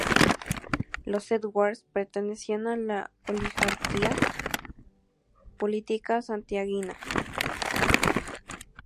Los Edwards pertenecían a la oligarquía política santiaguina.